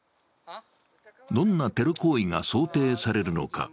どんなテロ行為が想定されるのか。